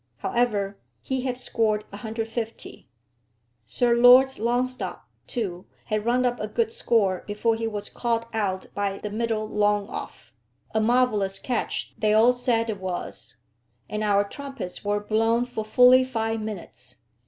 However, he had scored 150. Sir Lords Longstop, too, had run up a good score before he was caught out by the middle long off, a marvellous catch they all said it was, and our trumpets were blown for fully five minutes.